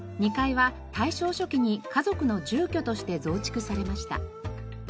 ２階は大正初期に家族の住居として増築されました。